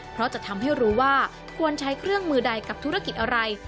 เพราะจะทำให้รู้ว่าควรใช้เครื่องมือใดกับธุรกิจอะไร